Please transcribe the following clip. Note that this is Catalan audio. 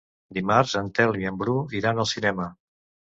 Dimarts en Telm i en Bru iran al cinema.